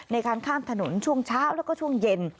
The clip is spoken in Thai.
ในการข้ามถนนช่วงเช้าแล้วก็ช่วงเย็น